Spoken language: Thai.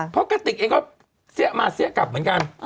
เพราะกระติกเองก็เสี้ยมาเสี้ยกลับเหมือนกัน